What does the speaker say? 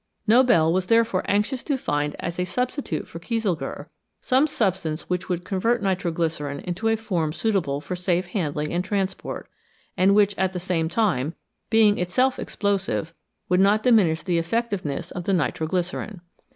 Nobel was therefore anxious to find as a substitute for kieselguhr some substance which would convert nitro glycerine into a form suitable for safe handling and transport, and which at the same time, being itself explosive, would not diminish the effectiveness of the nitro glycerine.